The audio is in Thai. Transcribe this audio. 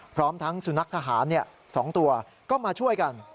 พร้อมทั้งสุนัขทหาร๒ตัวก็มาช่วยกัน